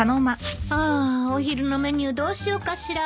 ああお昼のメニューどうしようかしら。